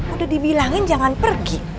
udah dibilangin jangan pergi